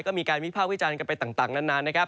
ก็มีการวิภาควิจารณ์กันไปต่างนานนะครับ